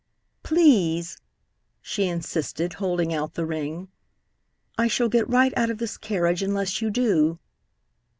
"Please!" she insisted, holding out the ring. "I shall get right out of this carriage unless you do."